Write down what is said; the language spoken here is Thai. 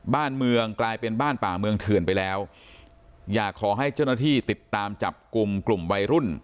บ้านเมืองกลายเป็นบ้านป่าเมืองเถื่อนไปแล้วอยากขอให้เจ้าหน้าที่ติดตามจับกลุ่มกลุ่มวัยรุ่น